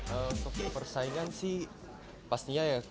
untuk persaingan sih pastinya ya